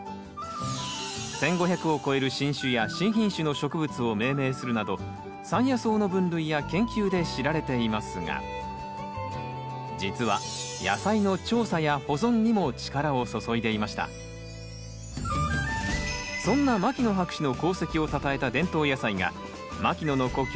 １，５００を超える新種や新品種の植物を命名するなど山野草の分類や研究で知られていますが実はそんな牧野博士の功績をたたえた伝統野菜が牧野の故郷